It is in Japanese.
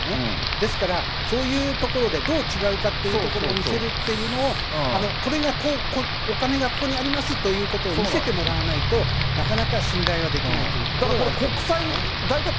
ですから、そういうところでどう違うかっていうところを見せるっていうのを、これが、お金がここにありますということを見せてもらわないと、なかなか信頼はできないというところはあると思います。